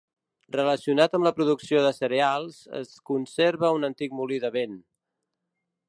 Relacionat amb la producció de cereals, es conserva un antic molí de vent.